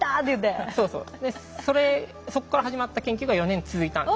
それそこから始まった研究が４年続いたんです。